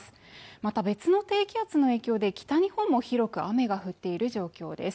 また別の低気圧の影響で北日本も雨が広く降っている状況です。